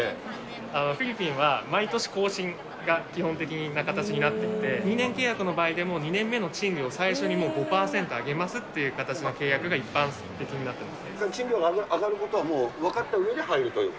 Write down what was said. フィリピンは毎年更新が基本的な形になっていて、２年契約の場合でも、２年目の賃料、もう最初に５％上げますっていう形の契賃料が上がることは、もう分はい。